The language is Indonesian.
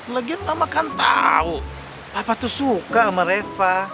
lagian mama kan tahu papa tuh suka sama refah